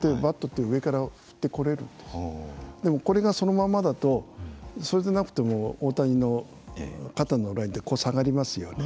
でもこれがそのままだとそれでなくても大谷の肩のラインって下がりますよね。